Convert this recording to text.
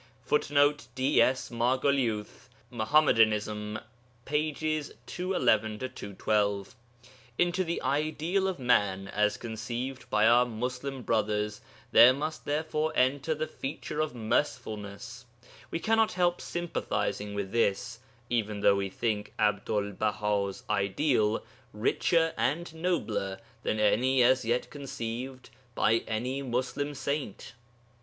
[Footnote: D. S. Margoliouth, Mohammedanism, pp. 211 212.] Into the ideal of man, as conceived by our Muslim brothers, there must therefore enter the feature of mercifulness. We cannot help sympathizing with this, even though we think Abdul Baha's ideal richer and nobler than any as yet conceived by any Muslim saint.